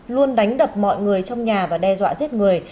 luôn đánh đập mọi người trong nhà và đe dọa giết người